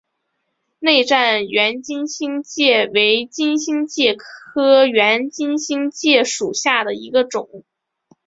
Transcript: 内战圆金星介为金星介科圆金星介属下的一个种。